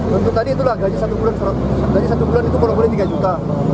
tentu tadi itulah gaji satu bulan itu kalau boleh tiga juta